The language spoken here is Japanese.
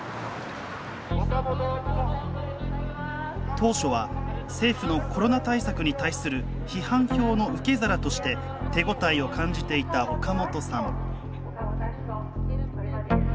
当初は、政府のコロナ対策に対する批判票の受け皿として手応えを感じていた岡本さん。